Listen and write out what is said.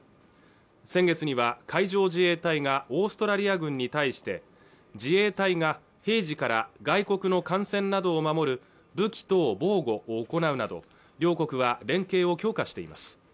先月には海上自衛隊がオーストラリア軍に対して自衛隊が平時から外国の艦船などを守る武器等防護を行うなど両国は連携を強化しています